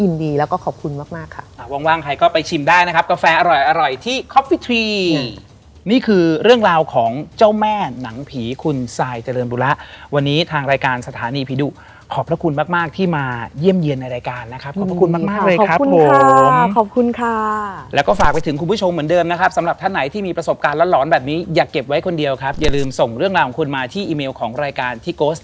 เมื่อกี้ก็นั่งแก้กันอยู่เมื่อกี้ก็นั่งแก้กันอยู่